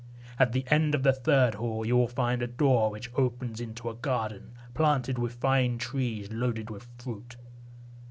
At the end of the third hall, you will find a door which opens into a garden, planted with fine trees loaded with fruit.